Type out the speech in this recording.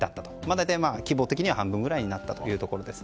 大体、規模的には半分ぐらいになったということです。